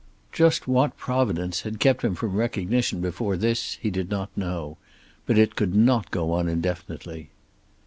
Just what Providence had kept him from recognition before this he did not know, but it could not go on indefinitely.